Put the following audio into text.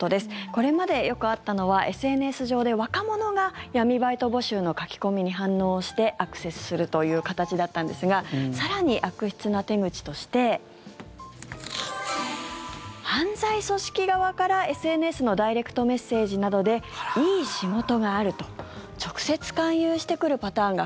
これまでよくあったのはＳＮＳ上で若者が闇バイト募集の書き込みに反応してアクセスするという形だったんですが更に悪質な手口として犯罪組織側からＳＮＳのダイレクトメッセージなどでいい仕事があると直接勧誘してくるパターンが